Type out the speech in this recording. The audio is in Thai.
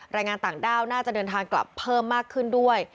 แรงงานต่างด้าวน่าจะเดินทางกลับเพิ่มมากขึ้นด้วย